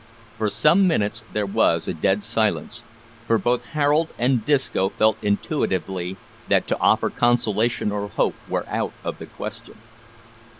For some minutes there was a dead silence, for both Harold and Disco felt intuitively that to offer consolation or hope were out of the question.